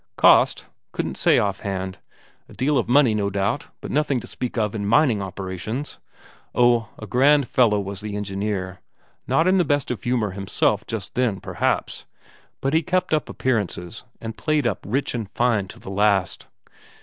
Cost? Couldn't say off hand a deal of money, no doubt, but nothing to speak of in mining operations. Oh, a grand fellow was the engineer; not in the best of humour himself just then, perhaps, but he kept up appearances and played up rich and fine to the last.